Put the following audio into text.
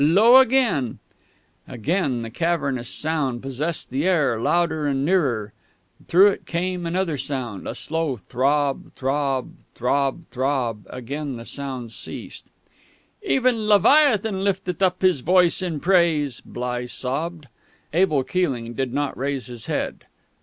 Lo, again " Again the cavernous sound possessed the air, louder and nearer. Through it came another sound, a slow throb, throb throb, throb Again the sounds ceased. "Even Leviathan lifteth up his voice in praise!" Bligh sobbed. Abel Keeling did not raise his head.